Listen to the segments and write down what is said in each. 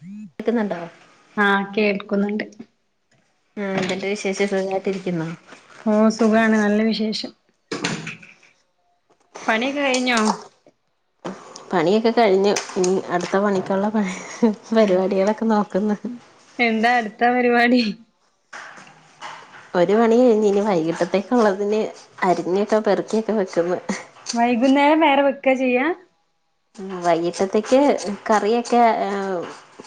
ഉം കേൾക്കുന്നുണ്ടോ ആഹ് കേൾക്കുന്നുണ്ട് ആഹ് എന്ത്ണ്ട് വിശേഷം സുഖായിട്ടിരിക്കുന്നോ ആഹ് സുഖാണ് നല്ല വിശേഷം പണിയൊക്കെ കഴിഞ്ഞോ പണിയൊക്കെ കഴിഞ്ഞു ഇനി അടുത്ത പണിക്കുള്ള പണി പരിപാടികളൊക്കെ നോക്കുന്നു ഉം എന്താ അട്ത്ത പരിപാടി ഒരു പണി കഴിഞ്ഞ് ഇനി വൈകിട്ടത്തേക്കുള്ളതിന് അരിഞ്ഞൊക്കെ പെറുക്കിയൊക്കെ വെക്ക്ന്ന് വൈകുന്നേരം വേറ വെക്ക ചെയ്യ വൈകീട്ടത്തേക്ക് കറിയൊക്കെ ഏഹ്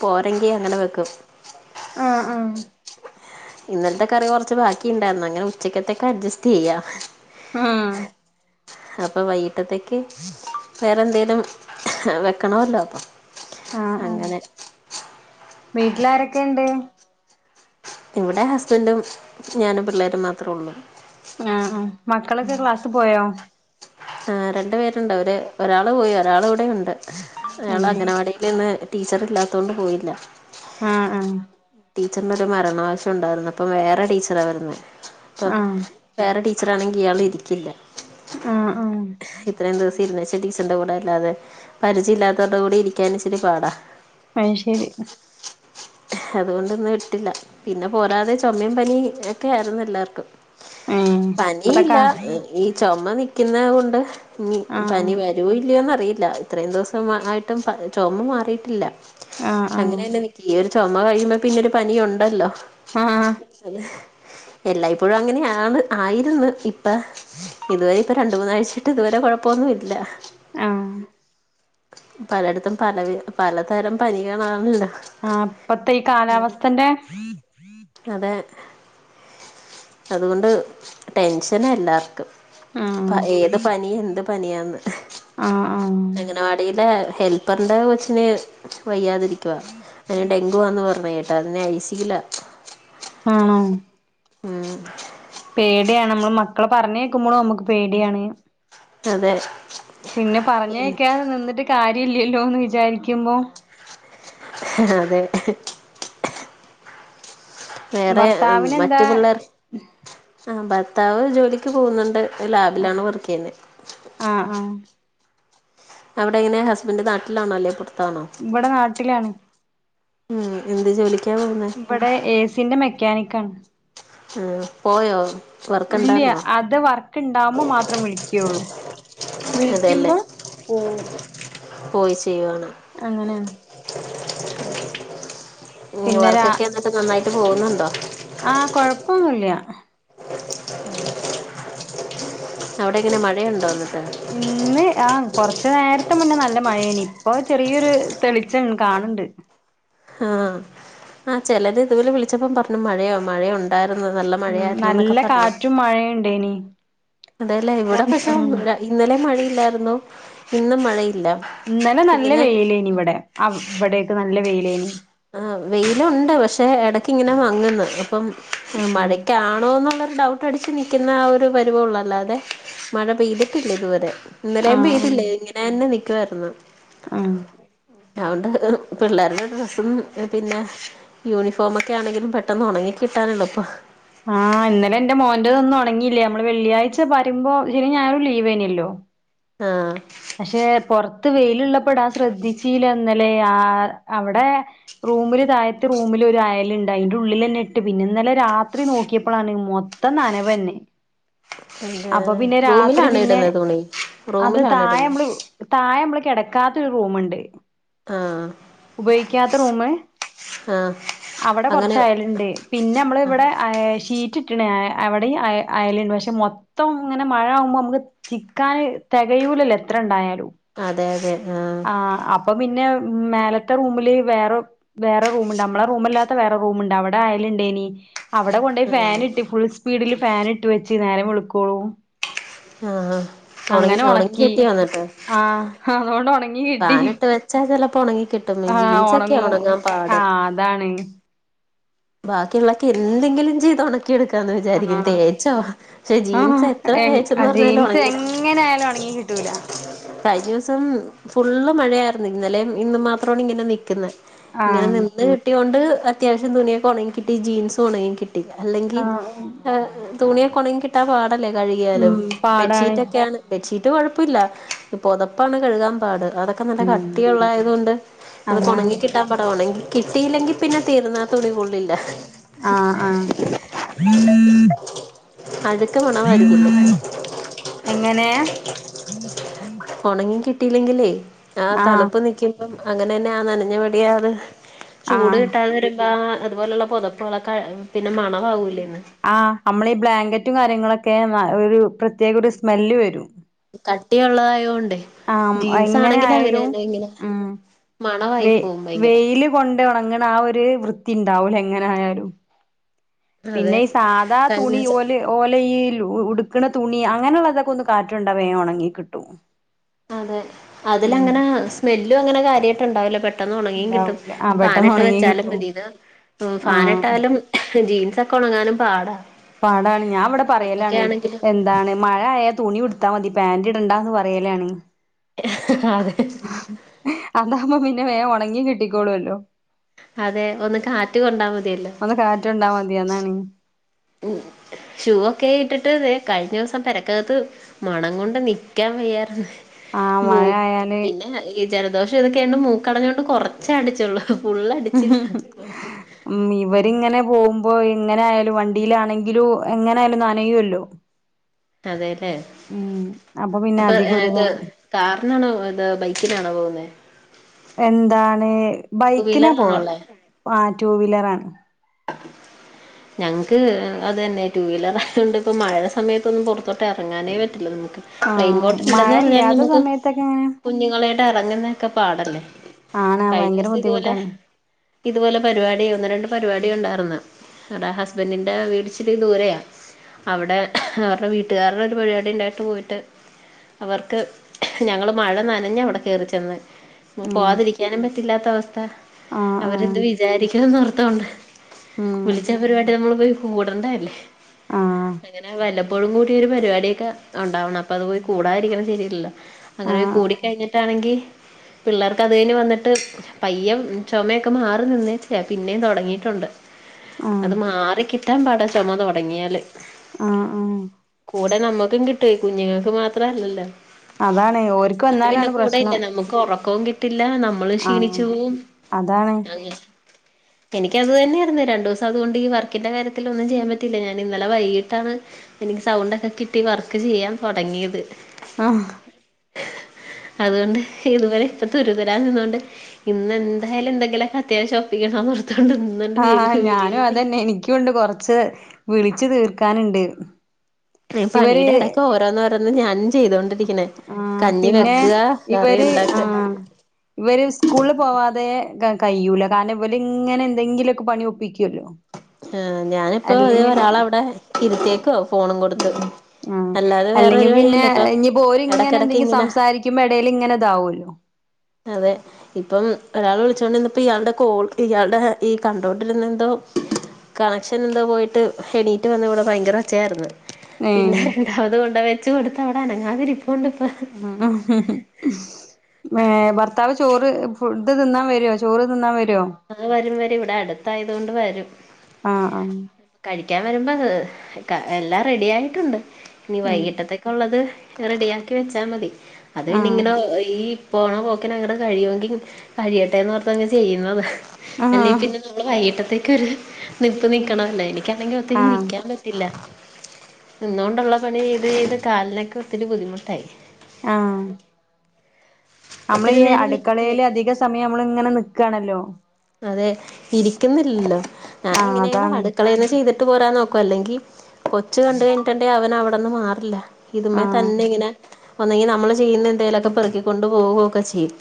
പോരെങ്കി അങ്ങനെ വെക്കും ആഹ് ആഹ് ഇന്നൽത്തെ കറി കൊറച്ച് ബാക്കി ഇണ്ടായിരുന്നു അങ്ങനെ ഉച്ചക്ക്ത്തക്ക് അഡ്ജസ്റ്റ് ചെയ്യാ ആഹ് അപ്പൊ വൈകിട്ടത്തേക്ക് വേറെന്തേലും വെക്കണമല്ലോ അപ്പൊ ആഹ് ആഹ് അങ്ങനെ വീട്ടിലാരൊക്കെയിണ്ട് ഇവിടെ ഹസ്ബൻഡും ഞാനും പിള്ളേരും മാത്രുള്ളൂ ആഹ് ആഹ് മക്കളൊക്കെ ക്ലാസ്സിപ്പോയോ ആഹ് രണ്ടു പേരുണ്ട് അവര് ഒരാള് പോയി ഒരാളിവിടെ ഇണ്ട് ഒരാൾ ഉം അംഗനവാടി ഇല്ലിന്ന് ടീച്ചറില്ലാത്തോണ്ട് പോയില്ല ആഹ് ആഹ് ടീച്ചർനൊരു മരണാവശ്യം ഉണ്ടായിരുന്ന് അപ്പ വേറെ ടീച്ചറാ വരുന്നേ ആഹ് വേറെ ടീച്ചറാണെങ്കിയാളിരിക്കില്ല ആഹ് ആഹ് ഇത്രേം ദിവസം ഇരുന്ന് വെച്ച ടീച്ചറിന്റെ കൂടെ അല്ലാതെ പരിചയില്ലാത്തവരുടെ കൂടെ ഇരിക്കാനിച്ചിരി പാടാ അയ് ശെരി ഹ് അതുകൊണ്ടിന്ന് വിട്ടില്ല പിന്നെ പോരാതെ ചൊമേം പനി എക്കെ ആയിരുന്നു എല്ലാർക്കും ഏഹ് പനിയില്ല ഇപ്പത്തക്കാ ഹ് ഈ ചൊമ നിക്ക്ന്നെ കൊണ്ട് ആഹ് ഇനിപനി വ രോ ഇല്ലയോന്നറിയില്ല ഇത്രേം ദിവസം ആയിട്ടും പ ചൊമ മാറിയിട്ടില്ല ആഹ് ആഹ് അങ്ങനെന്നെ നി ത്തീയൊരു ചൊമ കഴിയുമ്പോ പിന്നൊരു പനിയുണ്ടല്ലോ ആഹ് അത് ഹ് എല്ലായ്പ്പോഴും അങ്ങനെയാണ് ആയിരുന്നു ഇപ്പ ഇതുവരെ ഇപ്പ രണ്ടുന്നാഴ്ചിട്ട് ഇതുവരെ കുഴപ്പൊന്നൂല്ല ആഹ് പലടത്തും പല വി പലതരം പനികളാണണല്ലോ ആ പ്പത്തെ ഈ കാലാവസ്ഥന്റെ അതെ അതുകൊണ്ട് ടെൻഷനാ എല്ലാർക്കും ആഹ് പ ഏത് പനി എന്ത് പനിയാന്ന് ഹ് ആഹ് ആഹ് അങ്ങനവാടീലെ ഹെൽപ്പറിന്റെ കൊച്ചിന് വയ്യാതിരി ക്ക്വാ അയിന് ഡെങ്കുവാന്ന് പറഞ്ഞ കേട്ടാ അതിനയ്സീല ആ ഉം പേടിയാണമ്മള് മക്കളെ പറഞ്ഞയക്കുമ്പളും നമുക്ക് പേടിയാണ് അതെ പിന്നെ പറഞ്ഞയക്കാതെ നിന്നിട്ട് കാര്യയില്ലല്ലോന്ന് വിചാരിക്കുമ്പോ അ അതെ വേറെ ഭർത്താവിനെന്താ മറ്റു പിള്ളേർ ആ ഭർത്താവ് ജോലിക്ക് പോകുന്നുണ്ട് ലാബിലാണ് വർക്കെയ്യുന്നെ ആ ആ അവിടെയെങ്ങനെ ഹസ്ബന്റ് നാട്ടിലാണോ അല്ലേ പൊർത്താണോ? ഇവടെ നാട്ടിലാണ് ഉം എന്ത് ജോലിക്കാ പോകുന്നേ? ഇവടെ ഏസിന്റെ മെക്കാനിക്കാണ് ആ പോയോ ഇല്ല്യ വർക്ക്ണ്ടാര്ന്നോ? അത് വർക്കിണ്ടാവുമ്പോ മാത്രം വിളിക്കുള്ളൂ അതെല്ലേ വിളിക്കുമ്പോ പോവും - പോയി ചെയ്യുവാണ് അങ്ങനെയാണ്‌ ഉം പിന്നെ വർക്കൊക്കെ എന്നെട്ട് നന്നായിട്ട് പോകുന്നുണ്ടോ? ആ കൊഴപ്പൊന്നൂല്ല്യ അവടെങ്ങെനെ മഴയുണ്ടോ എന്നിട്ട് ആ കൊറച്ച് നേരത്തെ മുന്നേ നല്ല മഴേനി ഇപ്പൊ ചെറിയൊരു തെളിച്ചം കാണുണ്ട് ആ ആ ചിലര് ഇതുപോലെ വിളിച്ചപ്പം പറഞ്ഞു മഴയോ മഴയൊ ണ്ടാരുന്നു നല്ല മഴയായിന്നൊക്കെ പറഞ്ഞു പ്പൊ മഴയുണ്ടെയ്നി അതേലേ ഇവിടെ പക്ഷെ ഇന്നലെ മഴയില്ലാരുന്നു ഇന്നും മഴയില്ല ഇന്നലെ നല്ല ഇങ്ങനെ വെയിലേനി ഇവിടെ ആ ഇവിടൊക്കെ നല്ല വെയിലേനി ആ വെയിലുണ്ട് പക്ഷെ എടക്ക് ഇങ്ങനെ മങ്ങുന്ന് അപ്പം ആ ആഹ് മഴയ്ക്കാണോ എന്നുള്ളൊരു ഡൗട്ട് അടിച്ച് നിക്കുന്ന ആ ഒരു പരിവൊള്ള ല്ലാതെ മഴ പെയ്തിട്ടില്ല ഇതുവരെ ഇന്നലെയും ആഹ് പെയ്തില്ല ഇങ്ങനെ യന്നെ നിക്കുവാരുന്നു അം അഹോണ്ട് പിള്ളേരുടെ ഡ്രസ്സും പിന്നെ യൂണിഫോമൊക്കെ ആണെങ്കിലും പെട്ടെന്ന് ഒണങ്ങി കിട്ടാനുള്ളപ്പൊ ആ ഇന്നലെ എന്റെ മോന്റതൊന്നും ഉണങ്ങിയില്ല്യ നമ്മള് വെള്ളിയഴ്ച വരുമ്പോ ശരി ഞായറും ലീവേനല്ലോ ആ പക്ഷെ പൊറത്ത് വെയിലുള്ളപ്പോടാ ശ്രദ്ധിച്ചീലന്നലെ ആ അവടെ റൂമില് തായത്ത് റൂമില് ഒരു അയലുണ്ട അയിന്റെ ഉള്ളിലന്നെ ഇട്ട് പിന്നെ ഇന്നലെ രാത്രി നോക്കിയപ്പോളാണ് മൊ ത്തം നനവന്നെ എന്ത് അപ്പൊ പിന്നെ രാത്രി റൂമിലാണ് പിന്നെ ഇടുന്നത് തുണി അത് റൂമിലാണ് ഇടുന്നത് തായെമ്മള് താഴ നമ്മള കിടക്കാത്തരു റൂമുണ്ട് ആഹ് ഉപയോഗിക്കാത്ത റൂമ ആഹ് അവിടെ അങ്ങനെ കുറച്ചയാലുണ്ട് പിന്നെ നമ്മള ഇവിടെഷീറ്റ് ഇട്ട്കണ് അവിടെ അയലൻഡ് പക്ഷെ മോ ത്തം ഇങ്ങനെ മഴ ആകുമ്പോ നമുക്ക് ചിക്കാാന് തികയൂലല്ല എത്ര ഉണ്ടായാലും അതെ അതെ ആഹ് ആ അപ്പൊ പിന്നെ മേലത്തെ റൂമില് വേറെ വേറെ റൂംുണ്ട് നമ്മള റൂമല്ലാത്ത വേറെ റൂമുണ്ട് അവിടെ ആയലുണ്ടേനി അവിടെ കൊണ്ട പോയി ഫാന ആഹ് ഇട്ടി ഫുൾ സ്പീഡില് ഫൻ ഇട്ട് വെച്ച് നേരം വിളക്കോളൂ ആഹ് ഉണങ്ങി അങ്ങനെ ഉണങ്ങി ഉണക്കി കിട്ടിയോ എന്നിട്ട് ആഹ അതുകൊണ്ട് ഉണ ഫാനിട്ട് വെച്ചാ ചിലപ്പോ ഉണങ്ങി കിട്ടും ആഹ് ജീൻസൊക്കെ ഒണങ്ങൂ ഉണങ്ങാൻ പാട് ആഹ് അതാണ് ബാക്കിയുള്ളൊക്കെ എന്തെങ്കിലും ചെയ്തോണ നക്കി എടുക്കാന്ന് വിചാരിക്ക ആഹ് തേച്ചോ പക്ഷെ ആഹ് ജീൻസ് എത്ര തേച്ചന്ന് എ പറഞ്ഞാല ജീൻസ് ഉണങ്ങീ എങ്ങനെ ആയാലും ഒണങ്ങി കിട്ടൂല കഴിഞ്ഞ ദിവസം ഫുള്ള് മഴയായിരുന്നു ഇന്നലെ ഇന്ന് മാത്രമാണ് ഇങ്ങനെ നിക്കുന്ന ഇങ്ങനെ ആഹ് നിന്ന് കിട്ടിൊണ്ട് അത്യാവശം തുനിയൊക്കെ ഉണങ്ങി കിട്ടി ജീൻസ് ഉണങ്ങി കിട്ടി അല്ലെങ്കിൽ ആഹ് തുണിയൊക്കെ ഉണങ്ങി കിട്ടാൻ പാടല്ലേ കഴുകിയാലും ഉം പാടാണ് ബെഡ്ഷീറ്റ് ഒക്കെയാണ് ബെഡ്ഷീറ്റ് കൊഴപ്പമില്ല ഇപ്പൊതപ്പാണ് കഴുകാൻ പാട് അതൊക്കെ ക്കെ നല്ല ഉം കട്ടിയള്ളയത് കൊണ്ട് അത് ഒക്കെ അതാണ് ഉണങ്ങി കിട്ടാൻ പടവാണെങ്ക കിട്ടയില്ലെങ്കിൽ പിന്നെ തീർന്നാ തുണി കൊള്ളില്ല ആഹ് ആഹ് അഴുക്ക് മണവായിരിക്കില്ലേ എങ്ങനെ ഉണങ്ങി കിട്ടിയില്ലെങ്കില്ലേ ആ ആഹ് തണുപ്പ് നിക്കും അപ്പ അങ്ങനെ തന്നെ ആ നനഞ്ഞ പടിയാത് ചൂട് ആഹ് കിട്ടാതെ വരുമ്പ ആ അതുപോലെയുള്ള പുൊതപ്പുകളൊ പിന്നെ മണമാകൂലന്ന് ആഹ് അമ്മളെ ഈ ബ്ലാങ്കറ്റും കാര്യങ്ങളൊക്കെ ഒരു പ്രത്യേക ഒരു സ്മെല്ല് വരും. കട്ടിയുള്ളതായോണ്ടേ ആഹ്മ് ജീൻസ് എങ്ങനെ ആണെങ്കിൽ അങ്ങനെ ആയാലും തന്നെ ഇങ്ങനെ ഉം മണവായി വെ പോവും ഭയങ്കര വെയില് കൊണ്ട് ഒണങ്ങ്ണ ആ ഒരു വൃത്തി ഇണ്ടാവൂല എങ്ങനായാലും അതെ പിന്നെ ഈ സാധാ കഴിഞ്ഞ തുണി ദിവസം ഓല് ഓലെ ഈ ഉടുക്കണ തുണി അങ്ങനെയുള്ളതൊക്കെ ഒന്ന് കാറ്റൊണ്ടാ വേഗം ഉണങ്ങി കിട്ടും അതെ ഉം അതിലങ്ങനെ സ്മെല്ലും അങ്ങനെ കാര്യായിട്ട് ഉണ്ടാവൂല പെ ട്ടെന്ന് ഉണങ്ങിയും കിട്ടും ഉണ്ടാവൂല ആ പെട്ടെന്ന് ഫാനിട്ട് ഉണങ്ങി വെച്ചാലും കിട്ടും മതി ഇത് ആഹ് ഫാനിട്ടാലും ജീൻസൊക്കെ ഉണങ്ങാനും പാടാ പാടാണ് ഞാൻ ഇവിടെ പുതപ്പൊക്കെ പറയലാണ് ആണെങ്കിലും എന്താണ് മഴ ആയാ തുണി ഇടുത്താ മതി പാന്റ് ഇടണ്ടാന്ന് പറയലാണ് അതെ അതാകുമ്പ പിന്നെ വേം ഉണങ്ങി കിട്ടിക്കോളൂല്ലോ അതെ ഒന്ന് കാറ്റ് കൊണ്ടാൽ മതിയല്ലോ ഒന്ന് കാറ്റൊണ്ടാ മതിഒന്നൊണ ഉം ഷൂ ഒക്കെ ഇട്ടിട്ട് തേ കഴിഞ്ഞ ദിവസം പെരക്കകത്ത് മണം കൊണ്ട് നിക്കാൻ വയ്യാര്ന്ന് ആഹ് മൂ മഴ ആയാല് പിന്നെ ഈ ജലദോഷം ഇതൊക്കെയന്ന് മൂക്കടഞ്ഞോണ്ട് കൊറച്ചേ അടിച്ചുള്ളു ഫുള്ളടിച്ചില്ല ഉം ഇവരിങ്ങനെ പോകുമ്പോ എങ്ങനെ ആായാലും വണ്ടിയിലാണെങ്കിലും എങ്ങനൊയാലും നനയൊല്ലോ അതെ ല്ലേ പിന്നെ അപ്പൊ അധികം ഇത് ഒരിതാണ് കാറിനാണോ ഇത് ബൈക്കിനാണോ പോകുന്നേ എന്താണ് ടു ബൈക്കിനാ വീലറിലാണോ പോവാ ഉള്ളേ ആ ടൂവീലറാണ് ഞങ്ങൾക്ക് അത് തന്നെ ടു വീലറായത്കൊണ്ട് ഇപ്പം മഴ സമയത്തൊന്നും പുറത്തോട്ട് ഇറങ്ങാനേ പറ്റില്ല നമുക്ക് ആ റൈയിൻകോട്ട് മഴ ഇണ്ടന്ന് പറഞ്ഞാൽ ഇല്ലാത്ത നമുക്ക് സമയത്തൊക്കെ എങ്ങനെ കുഞ്ഞുങ്ങളേട്ട് ഇറങ്ങുന്നൊക്കെ പാടല്ലേ. ആണ് കഴിഞ്ഞ ഭയങ്കര ദിവസം ഇതുപോലെ ബുദ്ധിമുട്ടാണ് ഇതുപോലെ പരിപാടി ഒന്ന് രണ്ട് പരിപാടി ഉണ്ടായിർന്ന് ഇവിടെ ഹസ്ബൻഡറിന്റെ വീടിച്ചിരി ദൂരെയ അവിടെ അവരുടെ വീട്ടുകാരുടെ ഒരു പരിപാടി ഉണ്ടായിട്ട് പോയിട്ട് അവർക്ക് ഞങ്ങള് മഴ നനഞ്ഞാ അവിടെ കേറിച്ചെന്ന് നമ്മുക്ക് ഉം പോവാതിരിക്കാനും പറ്റില്ലാത്ത അവസ്ഥ ആ ആ അവരെന്ത് വിചാരിക്കണം എന്നോർത്തോണ്ട് ഉം വിളിച്ച പരിപാടി നമ്മൾ പോയി കൂടേണ്ട അല്ലേ ആ ഇങ്ങനെ വല്ലപ്പോഴും കൂടിയ ഒരു പരിപാടിയൊക്കെ ഉണ്ടാവണം അപ്പൊ അത് പോയി കൂടാതിരിക്കണ ശരിയല്ലല്ലോ ആ അങ്ങനെ കൂടി ആ കഴിഞ്ഞിട്ടാണെങ്കി പിള്ളേർക്ക് അത് കഴിഞ്ഞ് വന്നിട്ട് പയ്യം ചുമയൊക്കെ മാറി നിന്നേച്ചതാ പിന്നേം തുടങ്ങിയിട്ടുണ്ട് ആ അത് മാറിക്കിട്ടാൻ പാടാ ചുമ തുടങ്ങിയാല് ആ ആ കൂടെ നമ്മുക്കും കിട്ട്വേ കുഞ്ഞുങ്ങൾക്ക് മാത്രം അല്ലല്ലോ അതാണ് ഓര്ക്ക്‌ വന്നാലാണ് പ്രശ്നം നമുക്ക് ഉറക്കവും കിട്ടില്ല നമ്മളും ആ ക്ഷീണിച്ചു പോവും അതാണ് അങ്ങ എനിക്ക് അത് തന്നെയായിരുന്ന് രണ്ടു ദിവസം അത് കൊണ്ട് ഈ വർക്കിന്റെ കാര്യത്തില് ഒന്നും ചെയ്യാൻ പറ്റിയില്ല ഞാൻ ഇന്നലെ വൈകിട്ടാണ് എനിക്ക് സൗണ്ടൊക്കെ കിട്ടി വർക്ക് ചെയ്യാൻ തുടങ്ങിയത്. ആഹ് അതുകൊണ്ട് ഇതുവരെ ഇപ്പ തുരുതരാ നിന്നൊണ്ട് ഇന്ന് എന്തായാലും എന്തെങ്കിലും ഒക്കെ അത്യാവശ്യം ഒപ്പിക്കണം എന്നോർത്തോണ്ട് ഇന്നന്നെ ആ വേഗ് ഞാനും അതന്നെ എനിക്കും ഉണ്ട് കൊറച്ച് വിളിച്ചു തീർക്കാനുണ്ട്. ഇവര് പണിയുടെ എടക്ക്‌ ഓരോന്ന് ഓരോന്ന് ഞാനും ചെയ്തൊണ്ടിരിക്കണേ ആ കഞ്ഞി പിന്നെ വെക്കാ കറി ഇവര് ഇണ്ടാക്കാ ആ ഇവര് സ്കൂളിൽ പോവാതെ കയ്യൂല കാരണം ഇവലിങ്ങനെ എന്തെങ്കിലുംഒക്കെ പണി ഒപ്പിക്കുവല്ലോ ആഹ് ഞാനിപ്പോ ഇതേ അല്ലെങ്കിൽ പിന്നെ ഒരാളവിടെ ഇരുത്തിയേക്ക്വാ ഫോണും കൊടുത്ത് ആഹ് അല്ലാതെ വേറെ അല്ലെങ്കി ഒരു പിന്നെ വഴിയില്ല ഇപ്പം ഇനി പ്പൊ ഓര് ഇങ്ങനെ ഇടക്കിടക്ക് എന്തെങ്കിലും ഇങ്ങനെ സംസാരിക്കുമ്പോ എടേൽ ഇങ്ങനെ ഇതാവോല്ലോ അതെ ഇപ്പം ഒരാൾ വിളിച്ചോണ്ട് ഇന്നപ്പോ ഇയാളുടെ കോൾ ഇയാളുടെ ഈ കണ്ടുകൊണ്ടിരുന്ന എന്തോ കണക്ഷൻ എന്താ പോയിട്ട് എണീറ്റ് വന്ന ഇവിടെ ഭയങ്കര ഒച്ചയായിരുന്നു ഏ പിന്നെ രണ്ടാമത് കൊണ്ട് ച്ച കൊടുത്ത് അവിടെ അനങ്ങാതെ ഇരിപ്പുണ്ട് ഇപ്പൊ ആഹ് ഏ ഭർത്താവ് ചോറ് ഫുഡ് തിന്നാൻ വരോ ചോറ് തിന്നാൻ വരോ അത് വരും വരും ഇവിടെ അടുത്ത് ആയതുകൊണ്ട് വരും ആഹ് ആഹ് കഴിക്കാൻ വരുമ്പോ എല്ലാം റെഡി ആയിട്ടുണ്ട് ഇനി വൈകിട്ടത്തക്ക് ഒള്ളത് റെഡിയാക്കി വെച്ചാ മതി അത് ആ പിന്നെഇങ്ങനെ ഈ പോണ പോക്കിന് അങ്ങന കഴിയുമെങ്കിൽ കഴിയട്ടെന്ന് ഓർത്തങ്ങ് ചെയ്യുന്നത് അല്ലെ പിന്നെ നമ്മള് വൈകിട്ടത്തേക്ക് ഒരു നിപ്പ് നിക്കണമല്ലോ എനിക്കാണെങ്കിൽ ആ ഒത്തിരി ആ നിക്കാനും പറ്റ ത്തില്ല നിന്നുകൊണ്ടുള്ള പണി ചെയ്ത് ചെയ്ത് കാലിനൊക്കെ ഒത്തിരി ബുദ്ധിമുട്ടായി ആഹ് നമ്മള് ഒത്തിരി ഈ നേരം നിക്കുമ്പോഴേ അടുക്കളേല് അധികം സമയം നമ്മള് ഇങ്ങനെ നിക്കാണല്ലോ അതെ ഇരിക്കുന്നില്ലല്ലോ ഞാന ആ എങ്ങനെയ അതാണ് അടുക്കളേന്ന് ചെയ്തിട്ട ഇട്ട് പോരാൻ നോക്കും അല്ലെങ്കിൽ കൊച്ച് കണ്ടുകഴിഞ്ഞട്ടുണ്ടെിൽ അവൻ അവിടെന്ന് മാറില്ല ആ ഇതുമേ തന്നെ ഇങ്ങനെ ഒന്നെങ്കി നമ്മള് ചെയ്യുന്ന എന്തേലുമൊക്കെ പെറുക്കിക്കൊണ്ട് പോവുകയൊക്കെ ചെയ്യും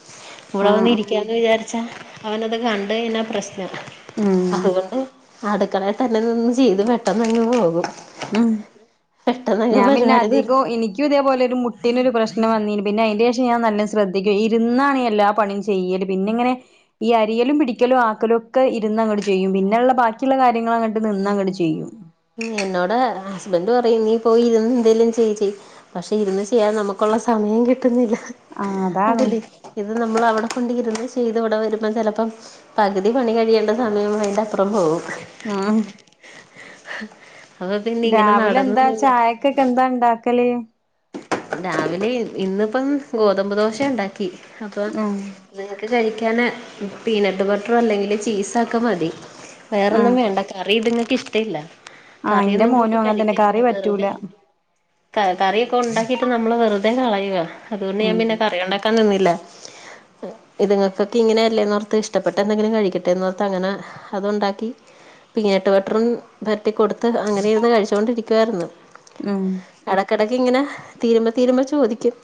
ആ ഇവിടെ ആ വന്ന് ഇരിക്കാന്ന് വിചാരിച്ചാ അവനത് കണ്ട് കഴിഞ്ഞാ പ്രശ്നാ ഉം അതുകൊണ്ട് അടുക്കളയി തന്നെ നിന്ന് ചെയ്ത് പെട്ടെന്ന് അങ്ങ് പോകും ഉം പെട്ടെന്നങ്ങ് ഞാൻ പിന്നെ പരിപാടി തീർ അധികം എനിക്ക് ഇനിക്കുംഇതേപോലെ ഒരു മുട്ടിന് ഒരു പ്രശ്നം വന്നീന്നു പിന്നെ അതിന്റെ ശേഷംഞാൻ നല്ല ശ്രദ്ധിക്കും ഇരുന്നാണ് എല്ലാ പണിയും ചെയ്യല് പിന്നെ ഇങ്ങനെ ഈ അരിയലും പിടിക്കലും ആക്കലും ഒക്കെ ഇരുന്ന് അങ്ങട്ട് ചെയ്യും പിന്നെയള്ള ബാക്കിയുള്ള കാര്യങ്ങൾ അങ്ങോട്ട് നിന്ന് അങ്ങട്ട് ചെയ്യും എന്നോട് ഹസ്ബന്റ് പറയും നീ പോയിഇരുന്ന് എന്തേലും ചെയ് ചെയ് പക്ഷെ ഇരുന്ന് ചെയ്യാൻ നമുക്കുള്ള സമയം കിട്ടുന്നില്ല ആ അതാണ് അതല്ലെ ഇത് നമ്മൾ അവിടെ കൊണ്ടി ഇരുന്ന് ചെയ്ത് ഇവിടെ വരുമ്പം ചെലപ്പം പകുതി പണി കഴിയേണ്ട സമയം അയിന്റെ അപ്പറം പോകും ആഹ് അപ്പൊ പിന്നെ ഇങ്ങനെ നടന്ന്നിന്ന ക്കൊക്കെന്താ ഉണ്ടാക്കല് രാവിലെ ഇന്നിപ്പം ഗോതമ്പ് ദോശ ഉണ്ടാക്കി അപ്പൊ ആ നിങ്ങക്ക് കഴിക്കാന്പീനട്ട് ബട്ടറ് അല്ലെങ്കില് ചീസ് ഒക്കെ മതി ആ വേറൊന്നും വേണ്ട കറി ഇത്ങ്ങക്ക് ഇഷ്ടല്ല ആ ഇന്റെ കറിയൊന്നും കൂട്ടി മോനും അങ്ങനെ തന്നെ കഴിക്കലില്ല കറി പറ്റൂല വേറുതെ കറിയൊക്കെ ഉണ്ടാക്കിട്ട് നമ്മള് വെറുതെ കളയുക അതുകൊണ്ട് ഞാൻ ഉം പിന്നെ കറി ഉണ്ടാക്കാൻ നിന്നില്ല ഇതുങ്ങൾക്കൊക്കെ ഇങ്ങനെ അല്ലേ എന്നോർത്ത് ഇഷ്ടപ്പെട്ട് എന്തെങ്കിലും കഴിക്കട്ടെന്ന്ഓർത്ത് അങ്ങനെ അതുണ്ടാക്കി പീനട്ട് ബട്ടറും പരത്തി കൊടുത്ത് അങ്ങനെ ഇരുന്ന് കഴിച്ചുകൊണ്ടിരിക്കുവായിരുന്നു ഉം ഇടക്കിടക്ക് ഇങ്ങനെ തീരുമ്പ തീരുമ്പോ ചോദിക്കും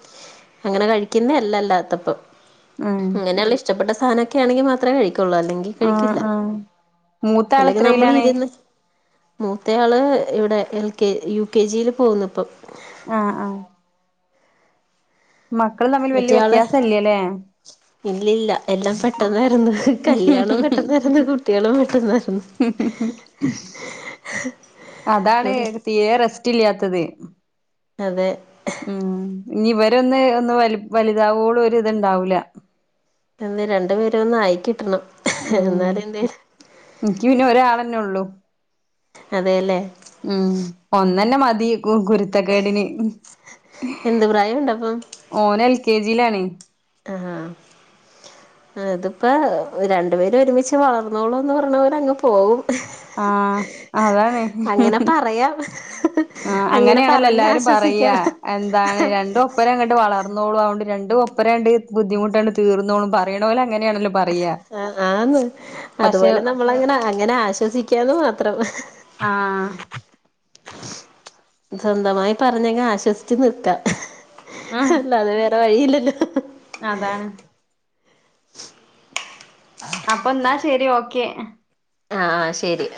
അങ്ങനെ കഴിക്കുന്ന അല്ലല്ലാത്തപ്പം ഉം അങ്ങനെ ഇഷ്ടപ്പെട്ട സാനൊക്കെ ആണങ്കിമാത്ര കഴിക്കുള്ളുഅല്ലങ്കി ആ കഴിക്കില്ല ആ മൂത്താള് അല്ലെങ്കിൽ നമ്മൾ എത്രയിലാണ് ഇരുന്ന് മൂത്ത ആള് ഇവിടെ എൽ കെ യു കെ ജിൽ പോകുന്നു ഇപ്പം ആഹ് ആഹ് മക്കൾ തമ്മിൽ വലിയ വ്യത്യാസം ഇല്ലലേ ഇല്ല ഇല്ല എല്ലാം പെട്ടെന്നായിരുന്നു കല്യാണം പെട്ടെന്നായിരുന്നു കുട്ടികളും പെട്ടെന്നായിരുന്നു അതാണ് അതെ തീരേ റെസ്റ്റ് ഇല്ലാത്തത് അതെ ഉം ഇനി ഇവരൊന്ന് ഒന്ന് വലു വലുതാവോളുംഒര് ഇത് ഉണ്ടാവൂല്ല ഇനിരണ്ടു പേർ ഒന്ന് അയിക്കിട്ടണം ഉം എനിക്ക് പിന്നെ ഒരാളന്നെ ഉള്ളൂ അതേല്ലേ ഉം ഒന്നന്നെ മതി ഗു ഗുരു- ത്തക്കേടിന് എന്ത് പ്രായമുണ്ടപ്പം ഓൻ എൽകെജിയിലാണ്. ആഹ് ഇതിപ്പോ രണ്ടു പേർ ഒരുമിച്ച് വളർന്നോളൂന്ന് പറയണ പോലെ അങ്ങ് പോകും. ആ അതാണ് ഏയാ ഹ് ഹ് ആ അങ്ങനെയാണല്ലോ എല്ലാരും പറയാ എന്താണ് രണ്ട് ഒപ്പരം അങ്ങട്ട് വളർന്നോളു അുകൊണ്ട് രണ്ട് ഒപ്പരം ണ്ട് ബുദ്ധിമുട്ടാണ് തീർന്നോള്ളും പറയണോലെ ങ്ങനാണല്ലോ ആ ആന്ന് പക്ഷെ അതുപോലെ നമ്മളങ്ങനെ അങ്ങനെ ആശ്വസിക്കാന്ന് മാത്രം ആഹ് സ്വന്തമായി പറഞ്ഞെങ്കിൽ ആശ്വസിച്ചു നിൽക്കാം ഉം അല്ലാതെ വേറെ വഴിയില്ലല്ലോ അതാണ് [inaudible] അപ്പൊ ന്നാ ശരി ഓക്കെ ആ ശരി